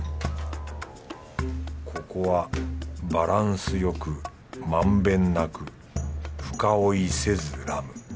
ここはバランスよくまんべんなく深追いせずラム。